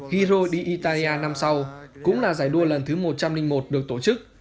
giro di italia năm sau cũng là giải đua lần thứ một trăm linh một được tổ chức